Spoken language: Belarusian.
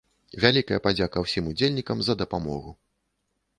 Вялікая падзяка усім удзельнікам за дапамогу!